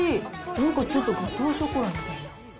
なんかちょっとガトーショコラみたいな。